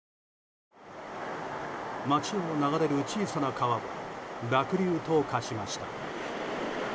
町を流れる小さな川は濁流と化しました。